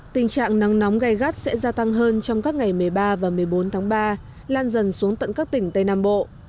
tình trạng nắng nóng gai gắt sẽ gia tăng hơn trong các ngày một mươi ba và một mươi bốn tháng ba lan dần xuống tận các tỉnh tây nam bộ